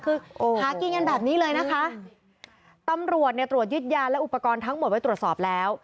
คือหากินกันแบบนี้เลยนะคะตำรวจเนี่ยตรวจยึดยาและอุปกรณ์ทั้งหมดไว้ตรวจสอบแล้ว